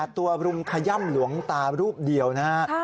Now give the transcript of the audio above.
ตัวรุมขย่ำหลวงตารูปเดียวนะฮะ